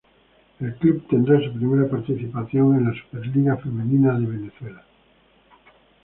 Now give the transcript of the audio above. El club tendrá su primera participación en la Superliga Femenina de Venezuela.